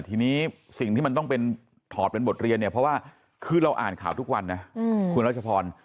ทีนี้สิ่งที่มันต้องเป็นถอดเป็นบทเรียนเนี่ยเพราะว่าคือเราอ่านข่าวทุกวันนะคุณรัชพร